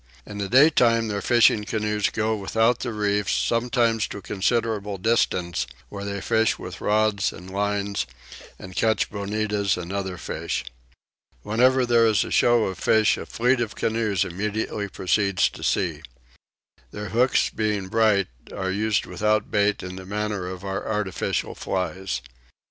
In the daytime their fishing canoes go without the reefs, sometimes to a considerable distance, where they fish with rods and lines and catch bonetas and other fish. Whenever there is a show of fish a fleet of canoes immediately proceeds to sea. Their hooks being bright are used without bait in the manner of our artificial flies.